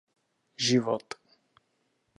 Život.